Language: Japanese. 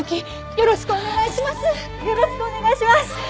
よろしくお願いします！